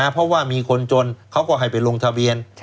เพราะว่ามีคนจนเขาก็ให้ไปลงทะเบียน